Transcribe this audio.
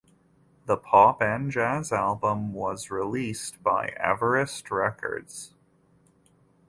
The pop and jazz album was released by Everest Records.